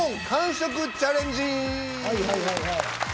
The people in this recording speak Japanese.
はいはいはいはい。